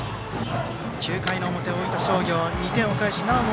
９回の表、大分商業、２点を返しなおも